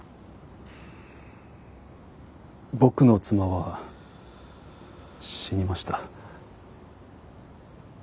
僕の妻は死にました。